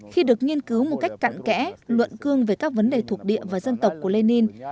khi được nghiên cứu một cách cạn kẽ luận cương về các vấn đề thuộc địa và dân tộc của lenin